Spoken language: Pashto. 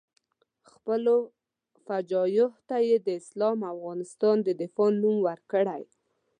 خپلو فجایعو ته یې د اسلام او افغانستان د دفاع نوم ورکړی.